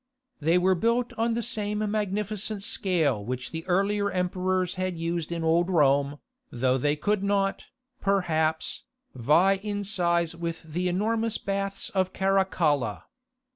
They were built on the same magnificent scale which the earlier emperors had used in Old Rome, though they could not, perhaps, vie in size with the enormous Baths of Caracalla.